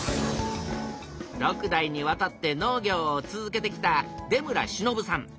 ６代にわたって農業を続けてきた出村忍さん。